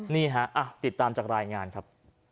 นี่ฮะติดตามจากรายงานครับ